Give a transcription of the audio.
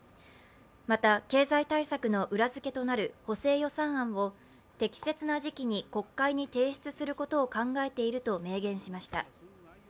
また、経済対策の裏づけとなる補正予算案を適切な時期に国会に提出することを考えていると明言しました。